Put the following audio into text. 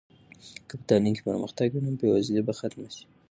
که په تعلیم کې پرمختګ وي نو بې وزلي به ختمه سي.